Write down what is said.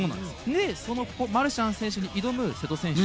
そのマルシャン選手に挑む瀬戸選手。